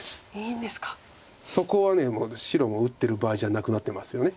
そこはもう白も打ってる場合じゃなくなってますよね。